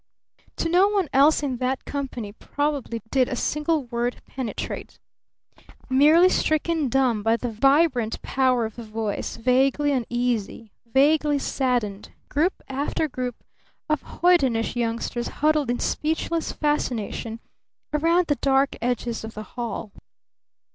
To no one else in that company probably did a single word penetrate. Merely stricken dumb by the vibrant power of the voice, vaguely uneasy, vaguely saddened, group after group of hoydenish youngsters huddled in speechless fascination around the dark edges of the hall.